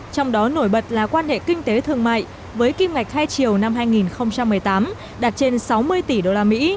trong đó nổi bật là quan hệ kinh tế thương mại với kim ngạch hai triều năm hai nghìn một mươi tám đạt trên sáu mươi tỷ usd